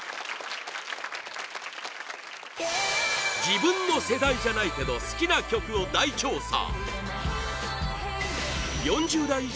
自分の世代じゃないけど好きな曲を大調査